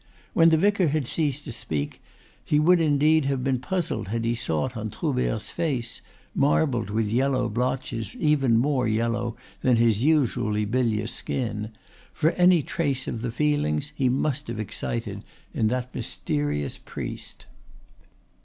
When the vicar had ceased to speak he would indeed have been puzzled had he sought on Troubert's face, marbled with yellow blotches even more yellow than his usually bilious skin, for any trace of the feelings he must have excited in that mysterious priest.